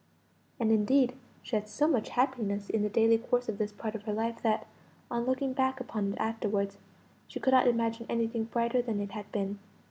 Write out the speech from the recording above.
And, indeed, she had so much happiness in the daily course of this part of her life, that, on looking back upon it afterwards, she could not imagine anything brighter than it had been.